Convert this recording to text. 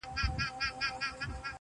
• چي په شپه د پسرلي کي به باران وي -